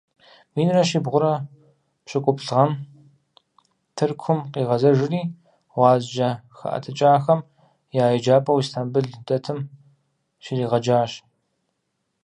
Минрэ щибгъурэ пщыкӀуплӀ гъэм Тыркум къигъэзэжри гъуазджэ хэӀэтыкӀахэм я еджапӀэу Истамбыл дэтым щригъэджащ.